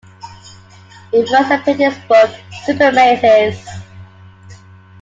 It first appeared in his book "SuperMazes".